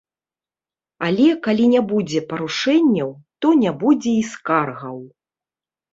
Але калі не будзе парушэнняў, то не будзе і скаргаў.